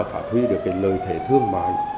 phát huy được cái lợi thế thương mại